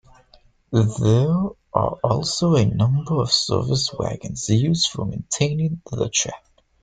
There are also a number of service wagons, used for maintaining the track.